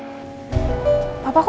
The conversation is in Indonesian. jangan terlalu deket ya sayang ya